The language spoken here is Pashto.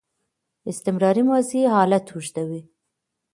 استمراري ماضي حالت اوږدوي.